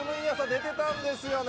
出てたんですよね。